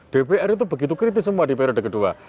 dpr itu begitu kritis semua di periode kedua